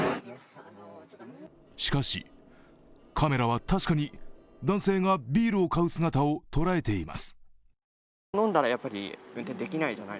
しかしカメラは確かに男性がビールを買う姿を捉えています。